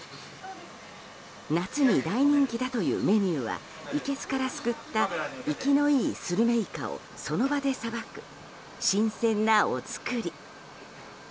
夏に大人気だというメニューは、いけすからすくった生きのいいスルメイカをその場でさばく、新鮮なお造り。